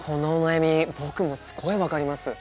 僕もすごい分かります！